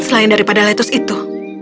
selain dari lettuce itu